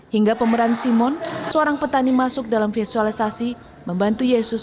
hingga pemeran simon seorang petani masuk dalam visualisasi membantu yesus